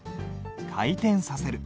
回転させる。